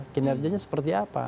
kinerjanya seperti apa